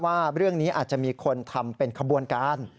ว่าเรื่องนี้อาจจะมีคนทำเป็นขบวนการ